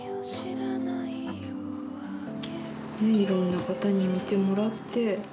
いろんな方に見てもらって。